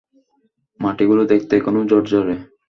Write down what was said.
মাটিগুলো দেখতে এখনো ঝরঝরে।